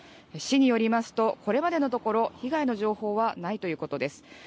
市によりますとこれまでのところ被害の情報はないということです。